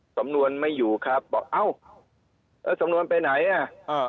สำนวนไม่อยู่ครับบอกเอ้าเออสำนวนไปไหนอ่ะอ่า